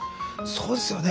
そうですよね。